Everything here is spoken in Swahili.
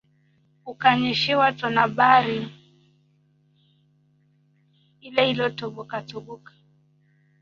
ukanyeshewa, tonobari ile intobokatoboka"